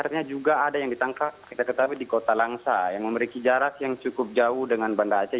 artinya juga ada yang ditangkap kita ketahui di kota langsa yang memiliki jarak yang cukup jauh dengan banda aceh